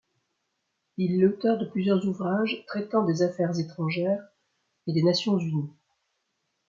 Il est l'auteur de plusieurs ouvrages traitant des affaires étrangères et des Nations Unies.